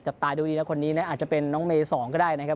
ตาดูดีนะคนนี้อาจจะเป็นน้องเมย์สองก็ได้นะครับ